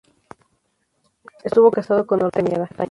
Estuvo casado con Hortensia Castañeda.